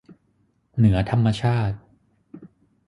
เหนือธรรมชาติ